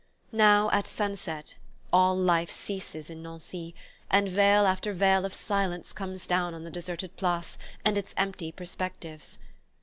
Now, at sunset, all life ceases in Nancy and veil after veil of silence comes down on the deserted Place and its empty perspectives.